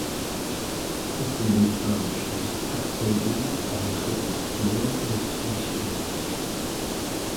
Atualizamos nosso cap table para refletir novos investimentos.